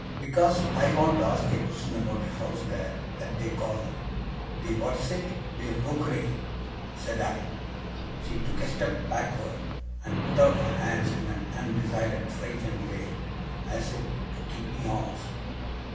'Because I want to ask a question about a house there, that they call the what is it? the Rookery,' said I. She took a step backward, and put out her hands in an undecided frightened way, as if to keep me off.